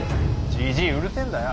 じじいうるせえんだよ。